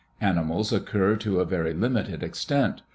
Animals occur to a very limited extent.